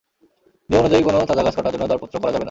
নিয়ম অনুযায়ী কোনো তাজা গাছ কাটার জন্য দরপত্র করা যাবে না।